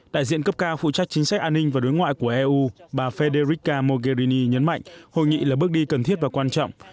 đại diện cấp cao phụ trách chính sách an ninh và đối ngoại của eu bà federica mogherini nhấn mạnh hội nghị là bước đi cần thiết và quan trọng